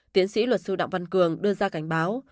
tiến sĩ luật sư đặng văn cường đưa ra cảnh báo